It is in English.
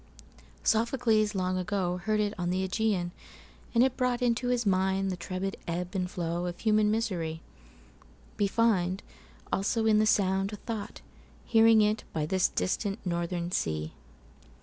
Sophocles long agoHeard it on the Ægæan, and it broughtInto his mind the turbid ebb and flowOf human misery; weFind also in the sound a thought, Hearing it by this distant northern sea.